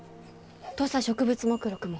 土佐植物目録も？